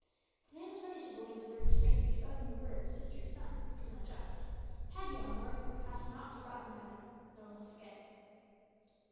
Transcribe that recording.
The man was ready to believe the word of strangers rather than the word of his sister's son, which was unjust; Pagiel moreover hath not forgotten the matter nor will he forget."